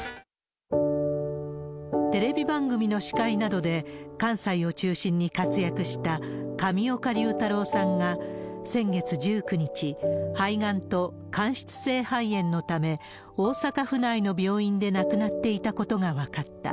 テレビ番組の司会などで、関西を中心に活躍した上岡龍太郎さんが、先月１９日、肺がんと間質性肺炎のため、大阪府内の病院で亡くなっていたことが分かった。